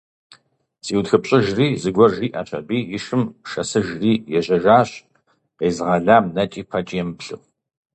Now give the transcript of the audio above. ЗиутхыпщӀыжри, зыгуэр жиӀэщ аби, и шым шэсыжри ежьэжащ, къезыгъэлам нэкӀи-пэкӀи емыплъу.